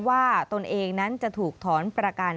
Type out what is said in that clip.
ตนเองนั้นจะถูกถอนประกัน